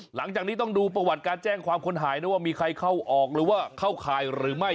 หลังจากนี้ต้องดูประวัติการแจ้งความคนหายนะว่ามีใครเข้าออกหรือว่าเข้าข่ายหรือไม่